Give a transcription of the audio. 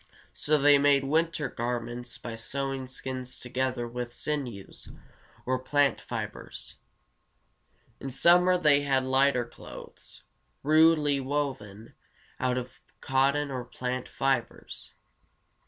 So they made winter garments by sewing skins together with sinews or plant fibers. In summer they had lighter clothes, rudely woven out of cotton or plant fibers.